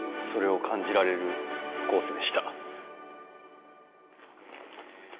それを感じられるコースでした